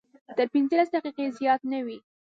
تر پنځلس دقیقې زیات نه وي.